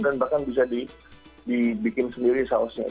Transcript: dan bahkan bisa dibikin sendiri sausnya